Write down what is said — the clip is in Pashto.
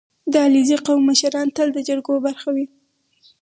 • د علیزي قوم مشران تل د جرګو برخه وي.